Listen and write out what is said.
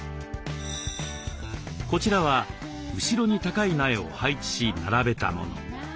こちらは後ろに高い苗を配置し並べたもの。